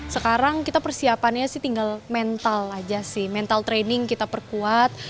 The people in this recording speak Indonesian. sekarang kita persiapannya sih tinggal mental aja sih mental training kita perkuat